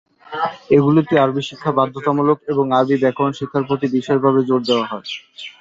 এগুলিতে আরবি শিক্ষা বাধ্যতামূলক এবং আরবি ব্যাকরণ শিক্ষার প্রতি বিশেষভাবে জোর দেওয়া হয়।